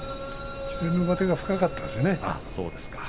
上手が深かったですね。